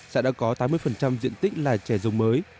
xã đã có tám mươi diện tích là chè rồng mới